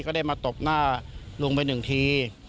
ก็ได้มาตบหน้าลุงไปหนึ่งที